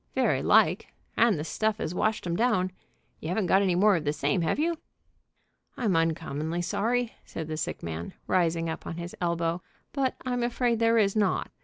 "Very like, and the stuff as washed 'em down. You haven't got any more of the same, have you?" "I'm uncommonly sorry," said the sick man, rising up on his elbow, "but I'm afraid there is not.